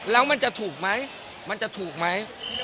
แล้วมันจะถูกมั้ยมันจะถูกมั้ย